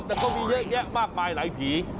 แต่ก็มีเยอะแยะมากมายหลายผี